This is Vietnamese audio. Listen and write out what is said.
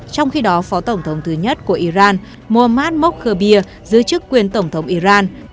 trong khi đó phó tổng thống thứ nhất của iran muammar mokhrabi giới chức quyền tổng thống iran